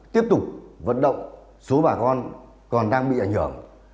tiếp tục vận động số bà con còn đang bị ảnh hưởng